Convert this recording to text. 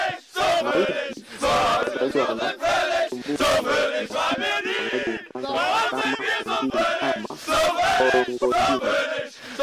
Maiti kukataliwa na tumbusi na fisi wanaojulikana kama Ondili ama Olngojine